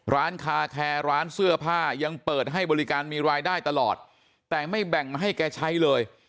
ร้านคาแคร์ร้านเสื้อผ้ายังเปิดให้บริการมีรายได้ตลอดแต่ไม่แบ่งให้แกใช้เลย